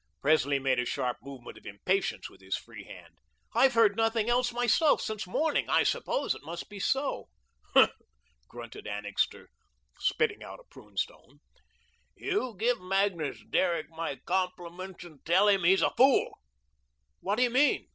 Presley made a sharp movement of impatience with his free hand. "I've heard nothing else myself since morning. I suppose it must be so." "Huh!" grunted Annixter, spitting out a prune stone. "You give Magnus Derrick my compliments and tell him he's a fool." "What do you mean?"